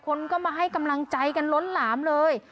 คนก็มาให้กำลังใจกันล้นหลามเลย